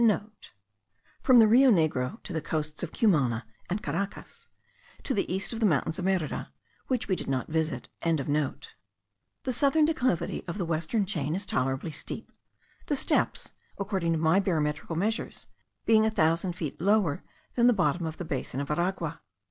*(* From the Rio Negro to the coasts of Cumana and Caracas, to the east of the mountains of Merida, which we did not visit.) The southern declivity of the western chain is tolerably steep; the steppes, according to my barometrical measurements, being a thousand feet lower than the bottom of the basin of Aragua.